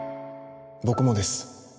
僕もです